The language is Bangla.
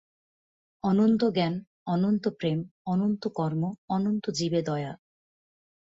অনন্ত জ্ঞান, অনন্ত প্রেম, অনন্ত কর্ম, অনন্ত জীবে দয়া।